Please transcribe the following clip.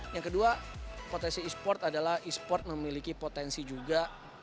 yang kedua potensi e sport adalah e sport memiliki potensi juga